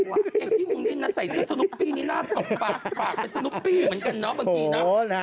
พี่มุมนิดน่าใส่เสื้อสนุปปี้นี่น่าสกปากเป็นสนุปปี้เหมือนกันเนอะ